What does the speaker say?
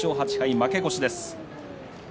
負け越しです。